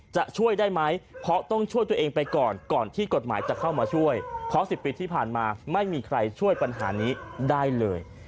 มาบอกหน่อยว่าถ้าเป็นคุณผู้ชมเจอแบบนี้ท่านยังไงดี